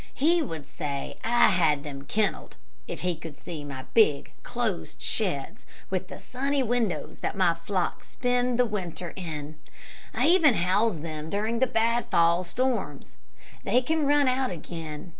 He would say I had them kennelled, if he could see my big, closed sheds, with the sunny windows that my flock spend the winter in. I even house them during the bad fall storms. They can run out again.